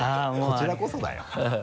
こちらこそだよ。